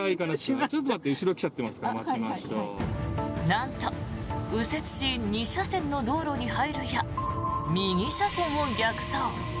なんと、右折し２車線の道路に入るや右車線を逆走。